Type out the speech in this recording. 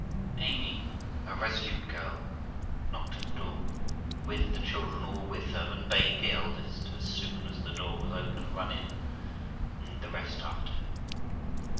Amy, a resolute girl, knocked at the door, with the children all with her, and bade the eldest, as soon as the door was open, run in, and the rest after her.